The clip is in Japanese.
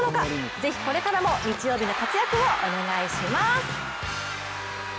ぜひこれからも日曜日の活躍をお願いします。